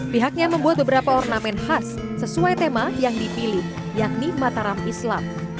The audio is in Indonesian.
pihaknya membuat beberapa ornamen khas sesuai tema yang dipilih yakni mataram islam